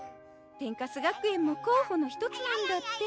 天カス学園も候補の一つなんだって。